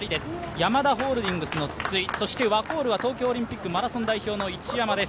ヤマダホールディングスの筒井、ワコールは東京オリンピックマラソン代表の一山です。